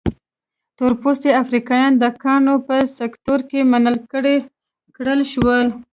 تور پوستي افریقایان د کانونو په سکتور کې منع کړل شول.